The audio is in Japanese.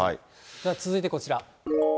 では続いてこちら。